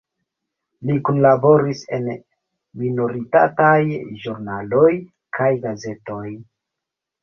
Li kunlaboris en minoritataj ĵurnaloj kaj gazetoj.